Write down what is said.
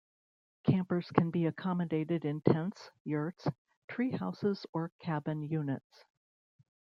Campers can be accommodated in tents, yurts, tree houses or cabin units.